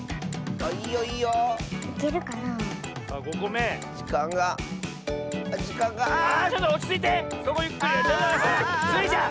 あ！スイちゃん！